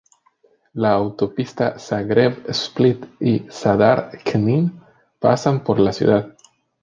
La autopista Zagreb-Split y Zadar-Knin pasan por la ciudad.